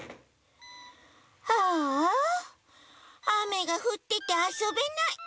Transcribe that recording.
あああめがふっててあそべない。